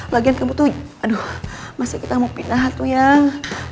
lagian kamu tuh aduh masa kita mau pindah atau yang